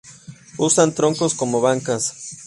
Usan troncos como bancas.